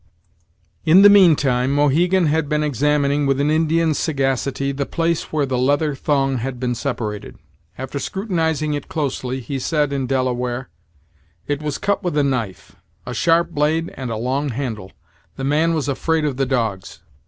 In the mean time, Mohegan had been examining, with an Indian's sagacity, the place where the leather thong had been separated. After scrutinizing it closely, he said, in Delaware: "It was cut with a knife a sharp blade and a long handle the man was afraid of the dogs."